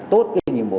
tốt cái nhiệm vụ